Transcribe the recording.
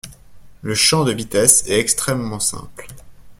le champ de vitesse est extrêmement simple